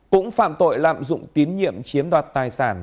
cũng phạm tội lạm dụng tín nhiệm chiếm đoạt tài sản